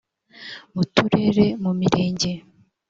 mu turere mu mirenge